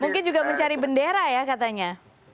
mungkin juga mencari bendera ya katanya